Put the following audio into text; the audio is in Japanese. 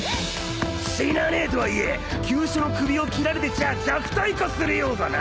死なねえとはいえ急所の首を斬られてちゃ弱体化するようだな！